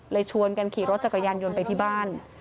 ชวนกันขี่รถจักรยานยนต์ไปที่บ้าน